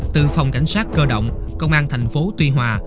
từ phòng cảnh sát cơ động công an thành phố tuy hòa